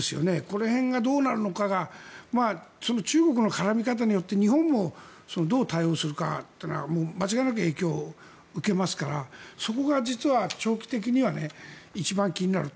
この辺がどうなるのかが中国の絡み方によって日本もどう対応するかというのは間違いなく影響を受けますからそこが実は長期的には一番気になる。